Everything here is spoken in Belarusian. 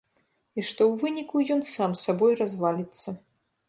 І што ў выніку ён сам сабой разваліцца.